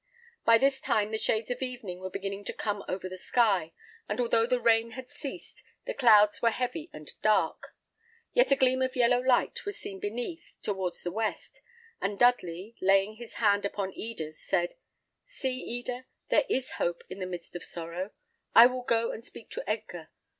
By this time the shades of evening were beginning to come over the sky, and although the rain had ceased, the clouds were heavy and dark. Yet a gleam of yellow light was seen beneath, towards the west, and Dudley, laying his hand upon Eda's, said, "See, Eda, there is hope in the midst of sorrow: I will go and speak to Edgar.